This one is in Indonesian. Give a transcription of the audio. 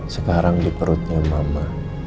sekarang di perutnya mama